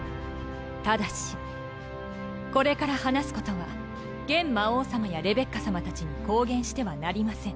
ただしこれから話すことは現魔王様やレベッカ様たちに公言してはなりません。